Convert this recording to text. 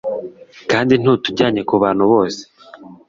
kandi ntutujyanye ku bantu bose